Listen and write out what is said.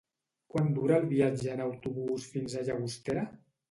Quant dura el viatge en autobús fins a Llagostera?